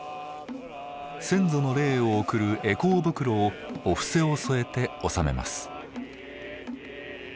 先祖の霊を送る回向袋をお布施を添えて納めます。